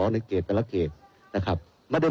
ในเกตละเกตหลายอย่าง